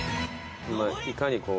いかにこう。